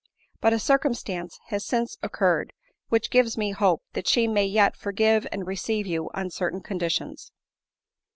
But a circumstance has since occurred which gives me hopes that she may yet forgive and receive you on certain conditions.